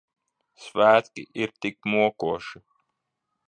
Svētki ir tik mokoši.